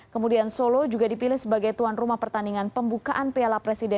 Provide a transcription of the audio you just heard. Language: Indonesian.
kemudian solo juga dipilih sebagai tuan rumah pertandingan pembukaan piala presiden dua ribu dua puluh dua